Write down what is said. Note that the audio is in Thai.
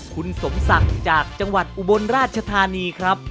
คุณสมศักดิ์จากจังหวัดอุบลราชธานีครับ